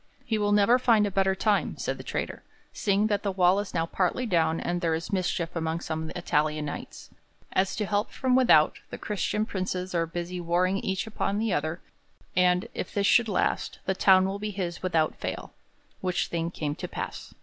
'He will never find a better time,' said the traitor, 'seeing that the wall is now partly down and there is mischief among some Italian Knights. As to help from without, the Christian princes are busy warring each upon the other, and, if this should last, the town will be his without fail,' which thing came to pass.